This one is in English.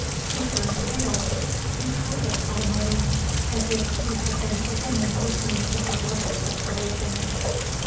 He turned pale, he trembled almost, as if he had been a woman listening to her lover's declaration.